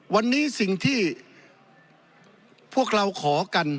วันนี้สิ่งที่พวกเราขอกัน